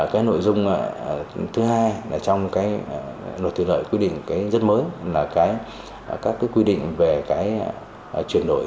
cái nội dung thứ hai là trong cái luật thủy lợi quy định rất mới là các quy định về cái chuyển đổi